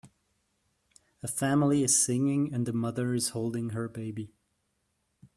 A family is singing and the mother is holding her baby.